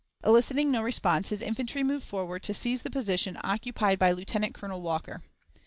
Eliciting no response, his infantry moved forward to seize the position occupied by Lieutenant Colonel Walker.